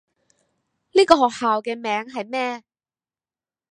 呢個學校嘅名係咩？